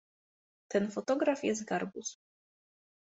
Ten fotograf jest garbus.